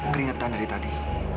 keringetan dari tadi